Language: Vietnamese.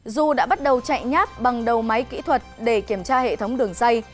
dù đã bắt đầu chạy nháp bằng đầu máy kỹ thuật để kiểm tra hệ thống đường xây